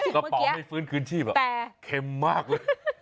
กระเป๋าให้ฟื้นคืนชีพแบบเค็มมากเลย